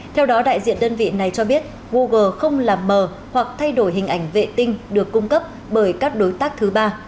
theo đó đại diện đơn vị này cho biết google không làm mờ hoặc thay đổi hình ảnh vệ tinh được cung cấp bởi các đối tác thứ ba